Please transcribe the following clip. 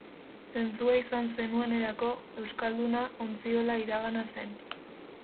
Zentzua izan zenuenerako, Euskalduna ontziola iragana zen.